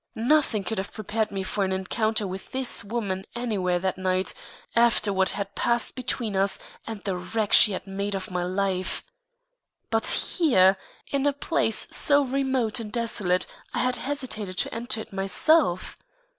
Nothing could have prepared me for an encounter with this woman anywhere that night, after what had passed between us and the wreck she had made of my life. But here! in a place so remote and desolate I had hesitated to enter it myself!